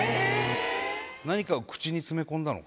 何かを口に詰め込んだのか？